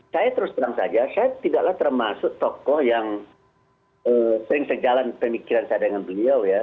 saya terus terang saja saya tidaklah termasuk tokoh yang sering sejalan pemikiran saya dengan beliau ya